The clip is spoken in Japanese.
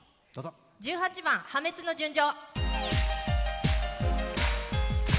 １８番「破滅の純情」。